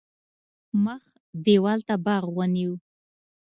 مخ دېوال ته باغ ونیو.